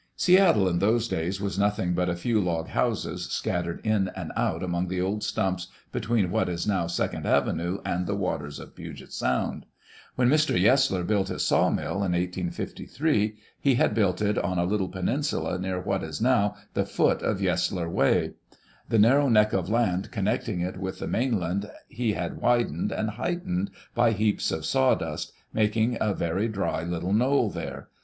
Seattle, in those days, was nothing but a few log houses scattered in and out among the old stumps between what is now Second Avenue and the waters of Puget Sound. When Mr. Yesler built his sawmill, in 1853, he had built it on a little peninsula near what is now the foot of Yesler Way. The narrow neck of land connecting it with the mainland he had widened and heightened by heaps of sawdust, making a dry little knoll there.